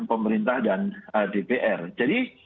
pemerintah dan dpr jadi